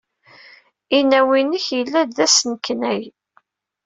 Inaw-nnek yella-d d asneknay.